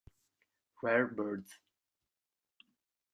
Rare Birds